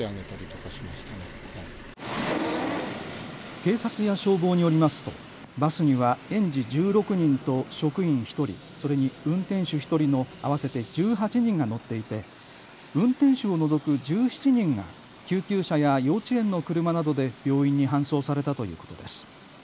警察や消防によりますとバスには園児１６人と職員１人、それに運転手１人の合わせて１８人が乗っていて運転手を除く１７人が救急車や幼稚園の車などで病院に搬送されたということです。